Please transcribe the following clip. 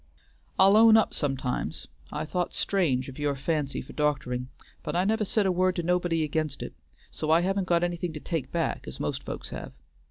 I'll own up sometimes I've thought strange of your fancy for doctoring, but I never said a word to nobody against it, so I haven't got anything to take back as most folks have.